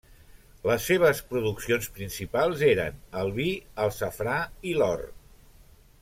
Les seves produccions principals eren el vi, el safrà i l'or.